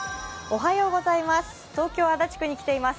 東京・足立区に来ています。